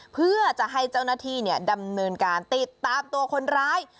เพื่อจะให้เจ้าหน้าที่ดำเนินการติดตามตัวคนร้าย